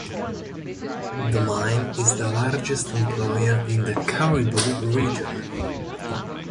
The mine is the largest employer in the Cariboo region.